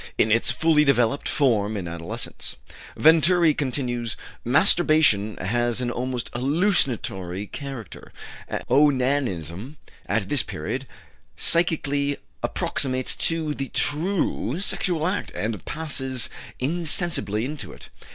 In its fully developed form in adolescence," Venturi continues, "masturbation has an almost hallucinatory character; onanism at this period psychically approximates to the true sexual act, and passes insensibly into it.